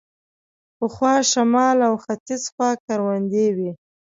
پخوا شمال او ختیځ خوا کروندې وې.